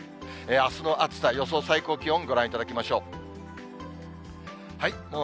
あすの暑さ、予想最高気温、ご覧いただきましょう。